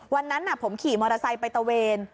วันนั้นผมขี่มอเตอร์ไซค์ไปตะเวน